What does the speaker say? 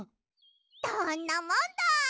どんなもんだい！